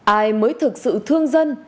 ai mới thực sự thương dân